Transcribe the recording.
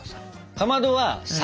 かまどは坂。